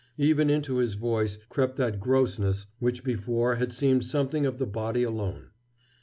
Even into his voice crept that grossness which before had seemed something of the body alone.